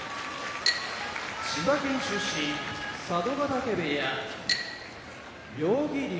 千葉県出身佐渡ヶ嶽部屋妙義龍